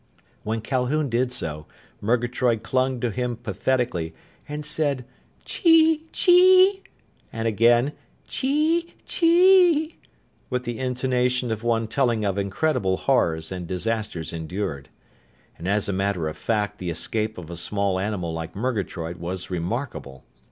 When Calhoun did so, Murgatroyd clung to him pathetically and said "Chee chee!" and again "Chee chee!" with the intonation of one telling of incredible horrors and disasters endured. And as a matter of fact the escape of a small animal like Murgatroyd was remarkable.